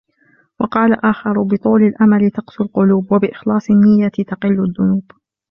وَقَالَ آخَرُ بِطُولِ الْأَمَلِ تَقْسُو الْقُلُوبُ ، وَبِإِخْلَاصِ النِّيَّةِ تَقِلُّ الذُّنُوبُ